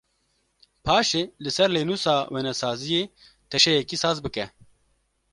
Paşê li ser lênûsa wênesaziyê teşeyekî saz bike.